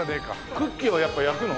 クッキーはやっぱり焼くの？